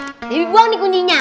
debbie buang nih kuncinya